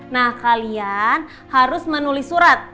nah kalian harus menulis surat